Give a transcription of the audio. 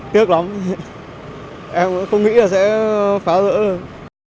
tiếc lắm em cũng không nghĩ là sẽ phá rỡ được